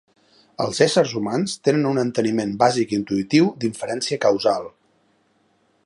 Els éssers humans tenen un enteniment bàsic intuïtiu d'inferència causal.